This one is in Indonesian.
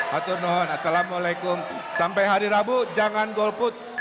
hatunun assalamu'alaikum sampai hari rabu jangan golput